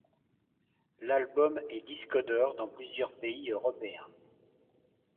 L'album est disque d'or dans plusieurs pays européens.